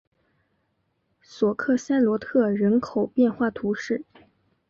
索克塞罗特人口变化图示